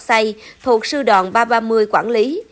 các lực lượng sản xuất trọc xay thuộc sư đoàn ba trăm ba mươi quản lý